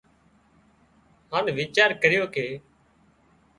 هانَ ويچار ڪريو ڪي